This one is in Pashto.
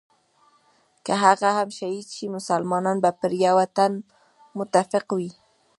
که هغه هم شهید شي مسلمانان به پر یوه تن متفق وي.